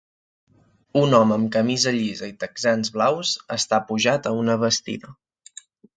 Un home amb camisa llisa i texans blaus està pujat a una bastida.